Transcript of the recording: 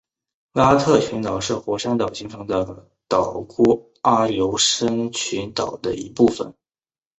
拉特群岛是火山岛形成的岛弧阿留申群岛的一部分。